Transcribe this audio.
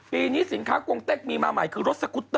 ปีนี้สินค้ากงเต็กมีมาใหม่คือรถสกุตเตอร์